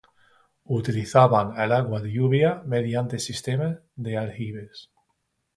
Utilizaban el agua de lluvia mediante sistema de aljibes.